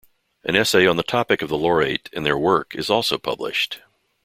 An essay on the topic of the laureate and their work is also published.